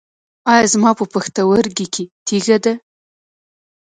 ایا زما په پښتورګي کې تیږه ده؟